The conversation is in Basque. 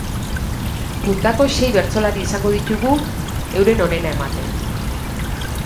Puntako sei bertsolari izango ditugu euren onena ematen.